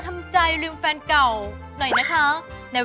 มาเป็นไรไง